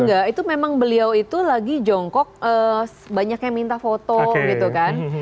enggak itu memang beliau itu lagi jongkok banyak yang minta foto gitu kan